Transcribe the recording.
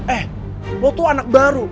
eh gue tuh anak baru